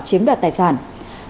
chiếm đoạt tài sản của nạn nhân